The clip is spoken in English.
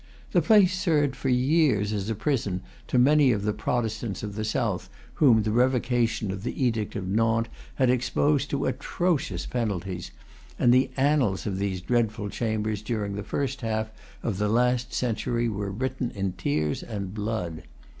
The place served for years as a prison to many of the Protestants of the south whom the revocation of the Edict of Nantes had exposed to atrocious penalties, and the annals of these dreadful chambers during the first half of the last century were written in tears and blood.